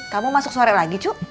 kamu masuk sore lagi cu